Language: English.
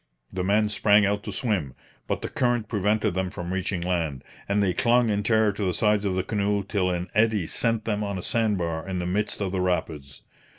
The men sprang out to swim, but the current prevented them from reaching land, and they clung in terror to the sides of the canoe till an eddy sent them on a sand bar in the midst of the rapids.